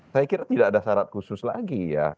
saya kira tidak ada syarat khusus lagi ya